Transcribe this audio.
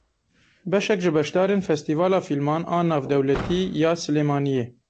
Beşek ji beşdarên Festîvala Fîlman a Navdewletî ya Silêmaniyê.